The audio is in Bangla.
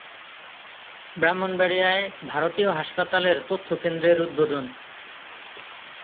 ব্রাহ্মণবাড়িয়ায় ভারতীয় হাসপাতালের তথ্যকেন্দ্রের উদ্বোধন